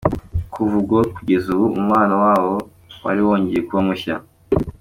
Kuva ubwo kugeza ubu umubano wabo wari wongeye kuba mushya.